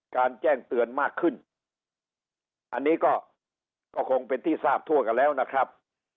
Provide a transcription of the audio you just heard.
แจ้งเตือนมากขึ้นอันนี้ก็คงเป็นที่ทราบทั่วกันแล้วนะครับ